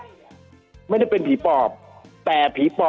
คุณติเล่าเรื่องนี้ให้ฮะ